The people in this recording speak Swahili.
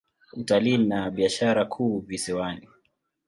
Utalii ni biashara kuu visiwani.